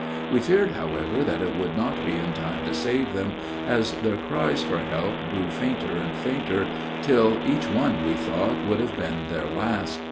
We feared, however, that it would not be in time to save them, as their cries for help grew fainter and fainter, till each one, we thought, would have been their last.